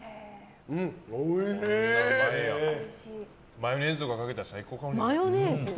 マヨネーズとかかけたら最高かもしれない。